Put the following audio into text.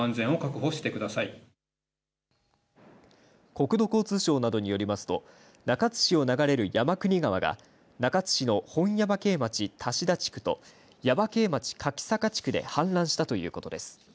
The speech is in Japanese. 国土交通省などによりますと中津市を流れる山国川が中津市の本耶馬溪町多志田地区と耶馬溪町柿坂地区で氾濫したということです。